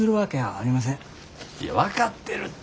いや分かってるって。